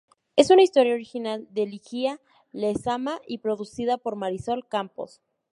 Es una historia original de Ligia Lezama y producida por Marisol Campos.